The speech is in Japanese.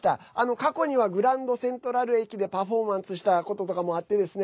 過去にはグランド・セントラル駅でパフォーマンスしたこととかもあってですね